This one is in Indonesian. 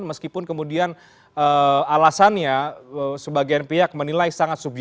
meskipun kemudian alasannya sebagian pihak menilai sangat subjek